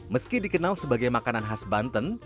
meski dikenal sebagai makanan khas banten